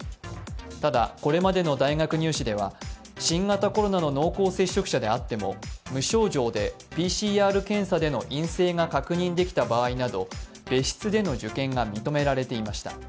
ただ、これまでの大学入試では新型コロナの濃厚接触者であっても無症状でＰＣＲ検査での陰性が確認できた場合など別室での受験が認められていました。